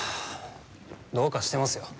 どうかしてますよ。